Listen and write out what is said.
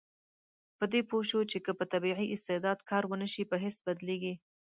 په دې پوه شو چې که په طبیعي استعداد کار ونشي، په هېڅ بدلیږي.